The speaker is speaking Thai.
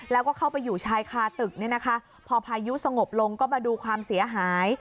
แล้วก็เข้าไปอยู่ชายคาตึกเนี่ยนะคะพอพายุสงบลงก็มาดูความเสียหาย